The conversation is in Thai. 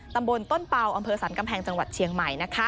ตำบลต้นเป่าอำเภอสรรกำแพงจังหวัดเชียงใหม่